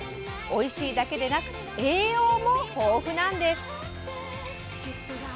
おいしいだけでなく栄養も豊富なんです。